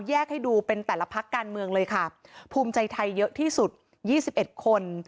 แยกให้ดูเป็นแต่ละพักการเมืองเลยค่ะภูมิใจไทยเยอะที่สุด๒๑คน